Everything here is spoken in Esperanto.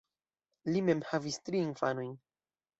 Li mem havis tri infanojn.